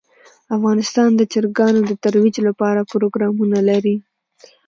افغانستان د چرګانو د ترویج لپاره پروګرامونه لري.